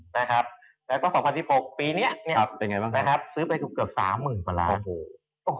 แล้วก็๒๐๑๖ปีนี้ซื้อไปเกือบ๓หมื่นกว่าล้าน